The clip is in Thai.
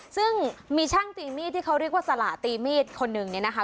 ซึ่งมีช่างตีมีดที่เขาเรียกว่าสละตีมีดคนหนึ่งเนี่ยนะคะ